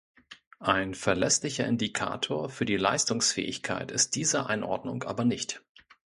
Ein verlässlicher Indikator für die Leistungsfähigkeit ist diese Einordnung aber nicht.